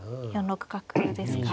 ４六角ですか。